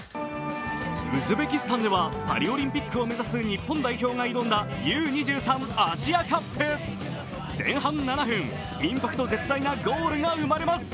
ウズベキスタンではパリオリンピックを目指す日本代表が臨んだＵ−２３アジアカップ。前半７分、インパクト絶大なゴールが生まれます。